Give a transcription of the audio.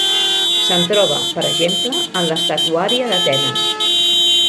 Se'n troba, per exemple, en l'estatuària d'Atenes.